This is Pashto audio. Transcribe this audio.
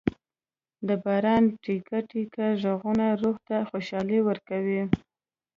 د باران ټېکه ټېکه ږغونه روح ته خوشالي ورکوي.